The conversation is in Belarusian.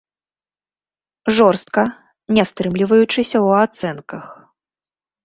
Жорстка, не стрымліваючыся ў ацэнках.